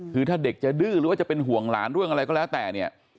คือถ้าเด็กจะดื้อหรือว่าจะเป็นห่วงหลานเรื่องอะไรก็แล้วแต่เนี่ย